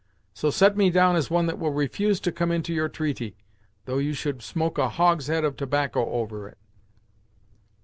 So set me down as one that will refuse to come into your treaty, though you should smoke a hogshead of tobacco over it.'"